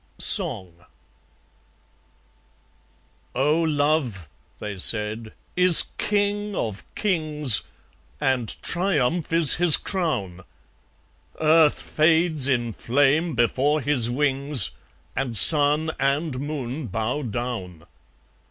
Song "Oh! Love," they said, "is King of Kings, And Triumph is his crown. Earth fades in flame before his wings, And Sun and Moon bow down."